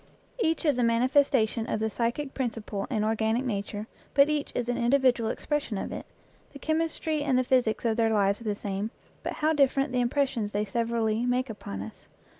Each is a manifestation of the psychic principle in organic nature, but each is an individual expression of it. The chemistry and the physics of their lives are the same, but how different the impressions they severally make upon us